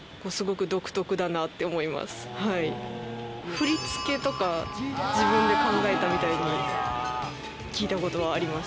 振り付けとか自分で考えたみたいに聞いた事はあります。